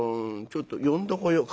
ちょっと呼んでこよう。